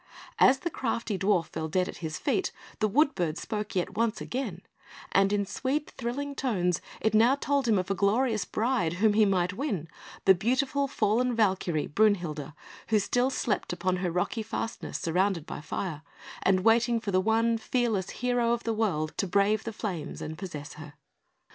As the crafty dwarf fell dead at his feet, the wood bird spoke yet once again; and in sweet, thrilling tones, it now told him of a glorious bride whom he might win the beautiful fallen Valkyrie, Brünhilde, who still slept upon her rocky fastness, surrounded by fire, and waiting for the one fearless hero of the world to brave the flames and possess her.